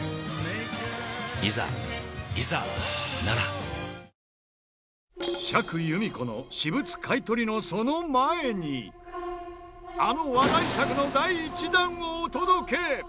果たして釈由美子の私物買い取りのその前にあの話題作の第１弾をお届け！